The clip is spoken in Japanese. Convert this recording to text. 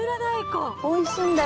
おいしいんだよ